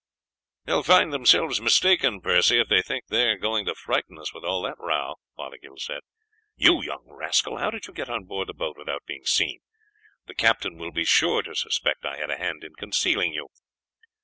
"They will find themselves mistaken, Percy, if they think they are going to frighten us with all that row," Fothergill said. "You young rascal, how did you get on board the boat without being seen? The captain will be sure to suspect I had a hand in concealing you."